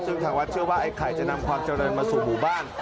ซึ่งทางวัดเชื่อว่าไอ้ไข่จะนำความเจริญมาสู่หมู่บ้าน